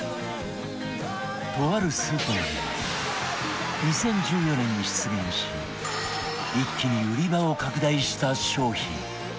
とあるスーパーでは２０１４年に出現し一気に売り場を拡大した商品